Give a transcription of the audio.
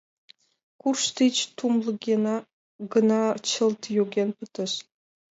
Курш тич тумлегына чылт йоген пытыш.